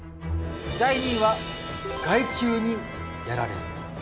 第２位は害虫にやられる。